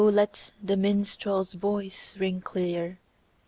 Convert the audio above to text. let the minstrePs voice ring clear.